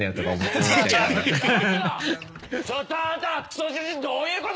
これどういうこと！？